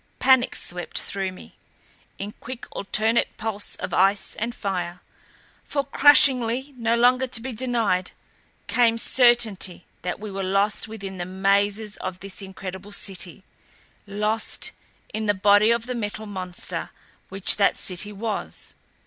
Panic swept through me, in quick, alternate pulse of ice and fire. For crushingly, no longer to be denied, came certainty that we were lost within the mazes of this incredible City lost in the body of the Metal Monster which that City was.